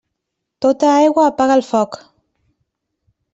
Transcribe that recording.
Tota aigua apaga el foc.